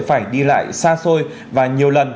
phải đi lại xa xôi và nhiều lần